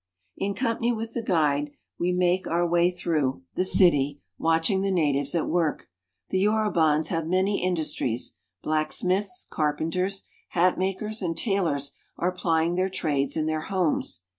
In company with the guide we make our way through 2l6 AFRICA w ^^H the city, watching the natives at work. The Yorubans ^^H have many industries. Blacksmiths, carpenters, hat ^^H makers, and tailors are plying their trades in their homes.